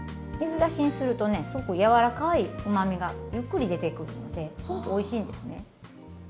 水出しにするとねすごく柔らかいうまみがゆっくり出てくるのですごくおいしいんですね。